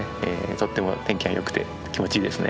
とっても天気がよくて気持ちいいですね。